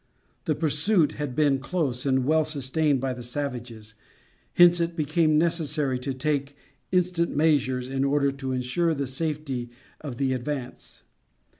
The pursuit had been close and well sustained by the savages; hence, it became necessary to take instant measures in order to insure the safety of the advance.